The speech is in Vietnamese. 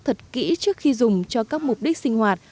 thật kỹ trước khi dùng cho các mục đích sinh hoạt